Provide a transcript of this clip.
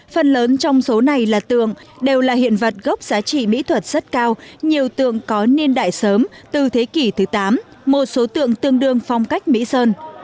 phần lớn trong số này là tượng đều là hiện vật gốc giá trị mỹ thuật rất cao nhiều tượng có niên đại sớm từ thế kỷ thứ tám một số tượng tương đương phong cách mỹ sơn